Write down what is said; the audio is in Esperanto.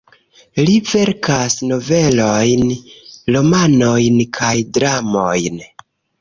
Li verkas novelojn, romanojn kaj dramojn.